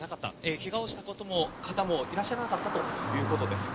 けがをした方もいらっしゃらなかったということです。